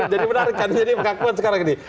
jadi menarik kan jadi pengakuan sekarang ini